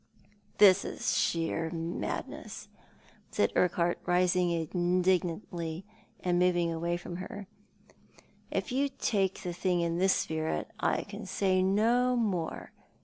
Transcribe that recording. "" This is sheer madness," said Urquhart, rising indignantly, and moving away from her, " If you take the thing in this spirit I can say no more.